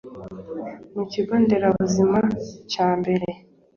mu kigo nderabuzima cya mbere